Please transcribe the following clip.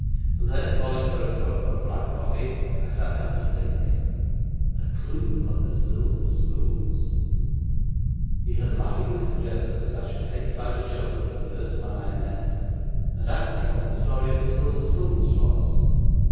There, calling for a cup of black coffee, I sat down to think. The clue of the silver spoons! He had laughingly suggested that I should take by the shoulders the first man I met, and ask him what the story of the silver spoons was.